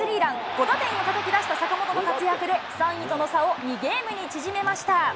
５打点をたたき出した坂本の活躍で３位との差を２ゲームに縮めました。